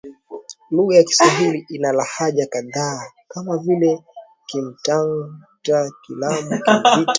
Lugha ya Kiswahili ina lahaja kadhaa kama vile Kimtang'ata, Kilamu, Kimvita